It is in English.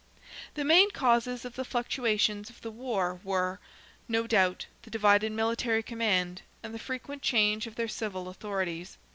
The main causes of the fluctuations of the war were, no doubt, the divided military command, and the frequent change of their civil authorities.